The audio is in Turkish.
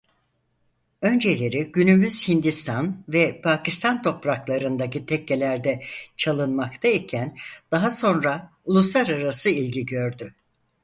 Önceleri günümüz Hindistan ve Pakistan topraklarındaki tekkelerde çalınmakta iken daha sonra uluslararası ilgi gördü.